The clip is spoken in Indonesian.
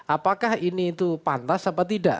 apakah ini itu pantas apa tidak